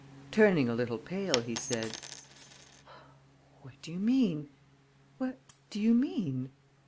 Turning a little pale, he said: "What do you mean? What do you mean?"